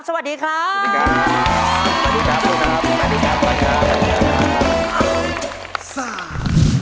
สวัสดีครับ